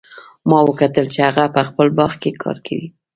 ما وکتل چې هغه په خپل باغ کې کار کوي